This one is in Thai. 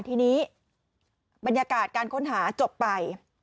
ทีนี้บรรยากาศการค้นหาจบไป